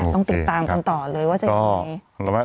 ต้องติดตามกันต่อเลยว่าจะยังไง